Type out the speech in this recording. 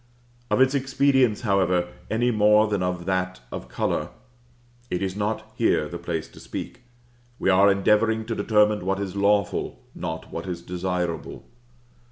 Of its expedience, however, any more than of that of color, it is not here the place to speak; we are endeavoring to determine what is lawful, not what is desirable.